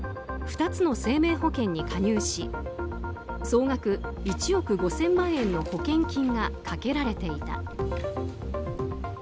２つの生命保険に加入し総額１億５０００万円の保険金がかけられていた。